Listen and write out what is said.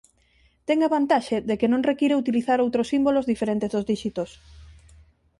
Ten a vantaxe de que non require utilizar outros símbolos diferentes dos díxitos.